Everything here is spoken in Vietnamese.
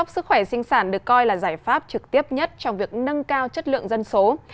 sức khỏe sinh sản được coi là giải pháp trực tiếp nhất trong việc nâng cao chất lượng dân số